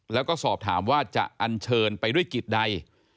แล้วก็สอบถามว่าจะอันเชิญไปด้วยกิจใด